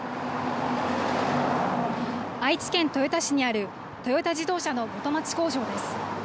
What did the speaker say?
愛知県豊田市にあるトヨタ自動車の元町工場です。